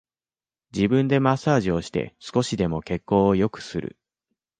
自分でマッサージをして少しでも血行を良くする